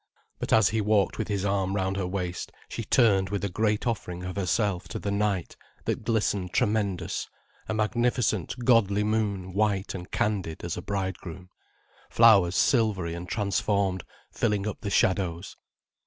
But as he walked with his arm round her waist, she turned with a great offering of herself to the night that glistened tremendous, a magnificent godly moon white and candid as a bridegroom, flowers silvery and transformed filling up the shadows.